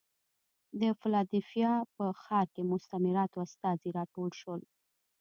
د فلادلفیا په ښار کې مستعمراتو استازي راټول شول.